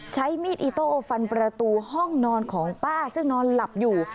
ใช้มีดอิโต้ฟันประตูห้องนอนของป้าซึ่งนอนหลับอยู่